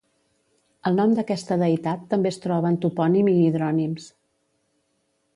El nom d'aquesta deïtat també es troba en topònim i hidrònims.